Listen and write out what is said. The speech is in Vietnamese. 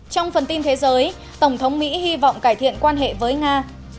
trong phần tin thế giới tổng thống mỹ hy vọng cải thiện quan hệ với nga